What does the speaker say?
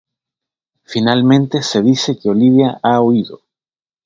Finalmente, se dice que Olivia ha huido.